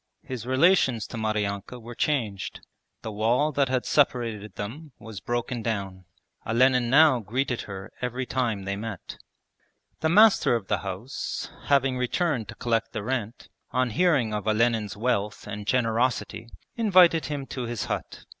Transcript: His relations to Maryanka were changed. The wall that had separated them was broken down. Olenin now greeted her every time they met. The master of the house having returned to collect the rent, on hearing of Olenin's wealth and generosity invited him to his hut.